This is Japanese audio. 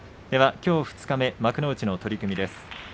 きょう二日目、幕内の取組です。